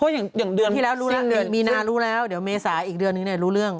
อย่างเดือนที่แล้วรู้แล้วเดือนมีนารู้แล้วเดี๋ยวเมษาอีกเดือนนึงเนี่ยรู้เรื่อง